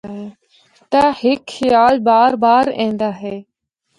تے ہک خیال بار بار ایندا ہے۔